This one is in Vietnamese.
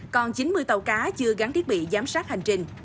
còn chín mươi tàu cá chưa gắn thiết bị giám sát hành trình